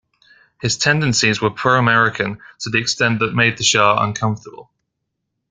His tendencies were pro-American to the extent that made the Shah uncomfortable.